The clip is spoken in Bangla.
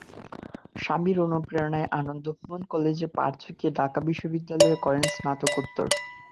স্বামীর অনুপ্রেরণায় আনন্দ মোহন কলেজের পাট চুকিয়ে ঢাকা বিশ্ববিদ্যালয়ে করেন স্নাতকোত্তর।